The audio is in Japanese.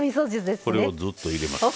これをジュッと入れます。